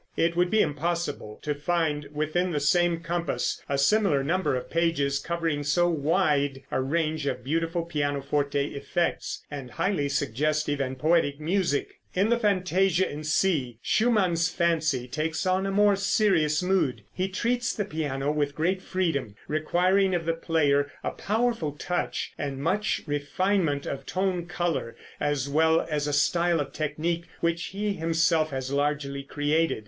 It would be impossible to find within the same compass a similar number of pages covering so wide a range of beautiful pianoforte effects, and highly suggestive and poetic music. In the fantasia in C, Schumann's fancy takes on a more serious mood. He treats the piano with great freedom, requiring of the player a powerful touch and much refinement of tone color, as well as a style of technique which he himself has largely created.